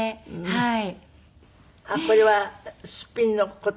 はい。